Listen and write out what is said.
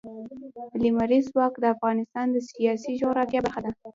لمریز ځواک د افغانستان د سیاسي جغرافیه برخه ده.